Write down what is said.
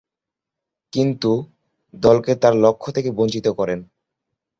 কিন্তু, দলকে তার লক্ষ্য থেকে বঞ্চিত করেন।